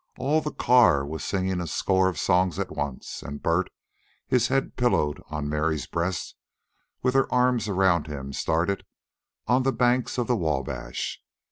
All the car was singing a score of songs at once, and Bert, his head pillowed on Mary's breast with her arms around him, started "On the Banks of the Wabash."